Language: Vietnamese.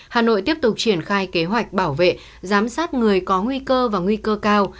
hà nội tiếp tục triển khai kế hoạch bảo vệ giám sát người có nguy cơ và nguy cơ cao